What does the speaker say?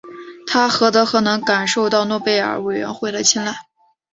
他何德何能受到诺贝尔委员会的青睐。